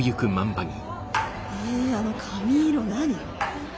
えあの髪色何？